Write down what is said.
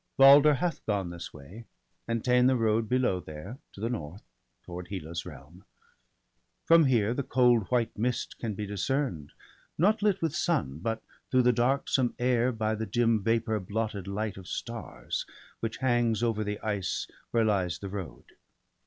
Balder hath gone this way, and ta'en the road Below there, to the north, toward Hela's realm. From here the cold white mist can be discern'd. Not lit with sun, but through the darksome air By the dim vapour blotted light of stars. Which hangs over the ice where lies the road.